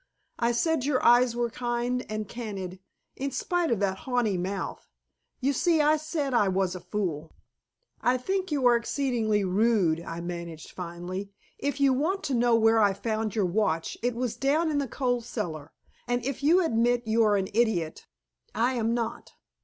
I said your eyes were kind and candid, in spite of that haughty mouth. You see, I said I was a fool." "I think you are exceedingly rude," I managed finally. "If you want to know where I found your watch, it was down in the coal cellar. And if you admit you are an idiot, I am not.